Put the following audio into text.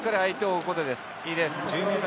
いいです。